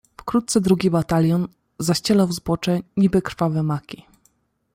"Wkrótce drugi batalion zaściełał zbocze, niby krwawe maki."